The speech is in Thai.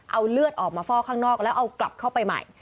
เอาเลือดออกมาฟอกข้างนอกแล้วเอากลับเข้าไปใหม่